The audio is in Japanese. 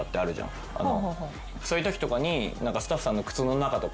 そういうときとかにスタッフさんの靴の中とか。